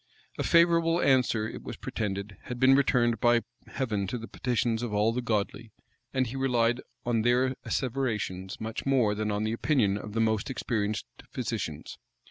A favorable answer, it was pretended, had been returned by Heaven to the petitions of all the godly: and he relied on their asseverations much more than on the opinion of the most experienced physicians.